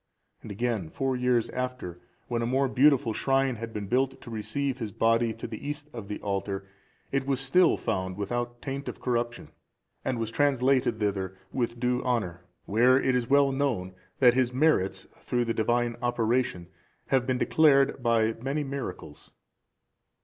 And again, four years after, when a more beautiful shrine had been built to receive his body to the east of the altar, it was still found without taint of corruption, and was translated thither with due honour; where it is well known that his merits, through the divine operation, have been declared by many miracles.